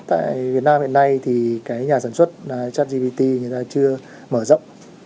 tại việt nam hiện nay thì cái nhà sản xuất chất gpt chưa mở rộng